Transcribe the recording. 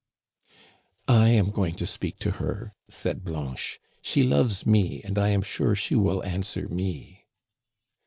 " I am going to speak to her," said Blanche ;" she loves me, and I am sure she will answer me."